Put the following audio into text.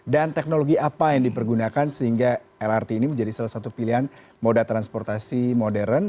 dan teknologi apa yang dipergunakan sehingga lrt ini menjadi salah satu pilihan moda transportasi modern